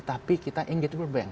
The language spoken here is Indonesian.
tapi kita ingin get world bank